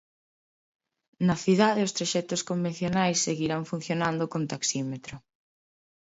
Na cidade os traxectos convencionais seguirán funcionando con taxímetro.